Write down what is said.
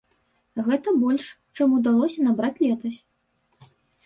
Гэта больш, чым удалося набраць летась.